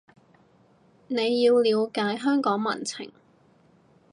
你要了解香港民情